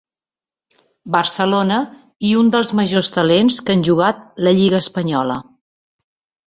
Barcelona, i un dels majors talents que han jugat la lliga espanyola.